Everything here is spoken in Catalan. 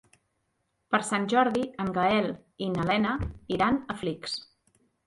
Per Sant Jordi en Gaël i na Lena iran a Flix.